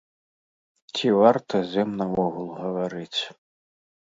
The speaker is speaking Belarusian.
Ці варта з ім наогул гаварыць.